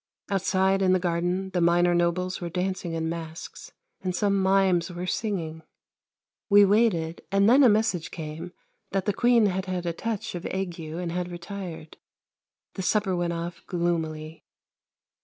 Outside in the garden the minor nobles were dancing in masks, and some mimes were singing. We waited, and then a message came that the Queen had had a touch of ague and had retired. The supper went off gloomily.